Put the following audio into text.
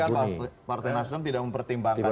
tapi kan pak partai nasional tidak mempertimbangkan itu